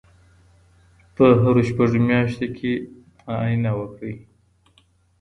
په هرو شپږو میاشتو کې معاینه وکړئ.